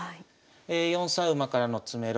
４三馬からの詰めろ。